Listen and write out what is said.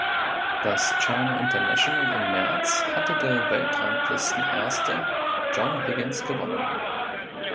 Das China International im März hatte der Weltranglistenerste John Higgins gewonnen.